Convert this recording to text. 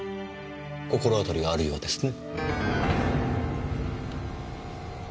心当たりがあるようですね。